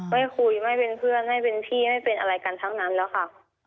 ไม่คุยไม่เป็นเพื่อนไม่เป็นพี่ไม่เป็นอะไรกันทั้งนั้นแล้วค่ะ